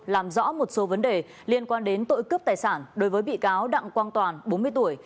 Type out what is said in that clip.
làm rõ một số vấn đề liên quan đến tội cướp tài sản đối với bị cáo đặng quang toàn bốn mươi tuổi